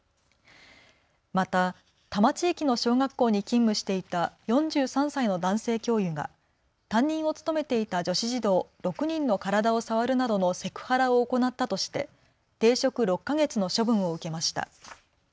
また多摩地域の小学校に勤務していた４３歳の男性教諭が担任を務めていた女子児童６人の体を触るなどのセクハラを行ったとして停職６か月の処分を受けました。